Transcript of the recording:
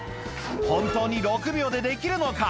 本当に６秒でできるのか？